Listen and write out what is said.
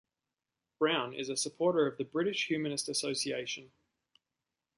Brown is a supporter of the British Humanist Association.